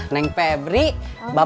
saya mau berubah